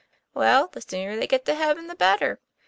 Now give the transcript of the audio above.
" Well, the sooner they get to heaven the better.